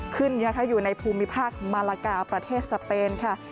ขึ้นนะคะอยู่ในภูมิภาคมาลากาประเทศสเปนค่ะ